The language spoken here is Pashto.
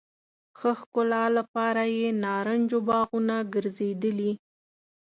ښه ښکلا لپاره یې نارنجو باغونه ګرځېدلي.